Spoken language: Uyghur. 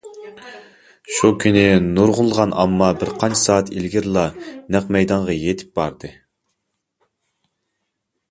شۇ كۈنى نۇرغۇنلىغان ئامما بىر قانچە سائەت ئىلگىرىلا نەق مەيدانغا يېتىپ باردى.